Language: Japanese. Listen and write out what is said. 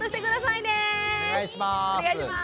お願いします。